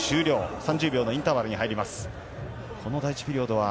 ３０秒のインターバルに入ります。